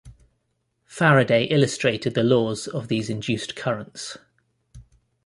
Faraday illustrated the laws of these induced currents.